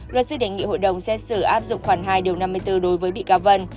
luật sư đề nghị hội đồng xét xử áp dụng khoản hai điều năm mươi bốn đối với bị cáo vân